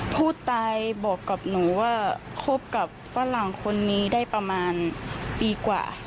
ผู้ตายบอกกับหนูว่าคบกับฝรั่งคนนี้ได้ประมาณปีกว่า